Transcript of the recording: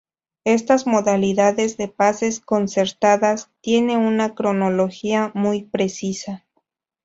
Estas modalidades de paces concertadas tiene una cronología muy precisa.